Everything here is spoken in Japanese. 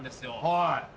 はい。